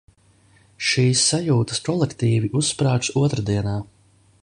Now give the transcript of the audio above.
Šīs sajūtas kolektīvi uzsprāgs otrdienā.